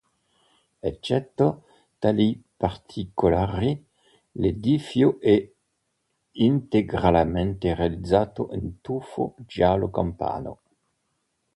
Eccetto tali particolari, l'edificio è integralmente realizzato in tufo giallo campano.